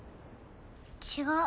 違う。